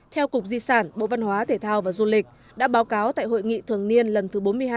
theo cục di sản bộ văn hóa thể thao và du lịch đã báo cáo tại hội nghị thường niên lần thứ bốn mươi hai